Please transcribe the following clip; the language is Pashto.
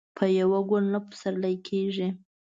په يوه ګل نه پسرلی کېږي.